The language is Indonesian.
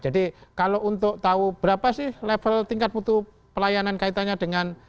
jadi kalau untuk tahu berapa sih level tingkat mutu pelayanan kaitannya dengan